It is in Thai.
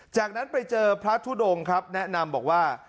จากนั้นไปเจอพระทุดงครับแนะนำบอกว่า